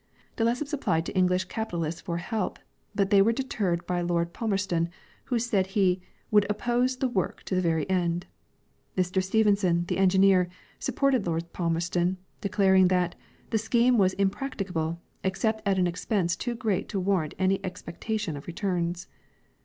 De Lesseps applied to English capitalists for help, but they Avere deterred by Lord Palmerston, Avho said he " Would ojjpose the Avork to the very end." Mr Stevenson, the engineer, supported Lord Palmerston, declaring that " The scheme Avas impracticable, except at an expense too great to Avarrant any expectation of returns."